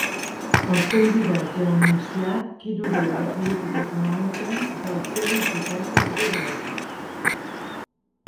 El candidat ja ha anunciat qui duria la política econòmica del seu hipotètic govern.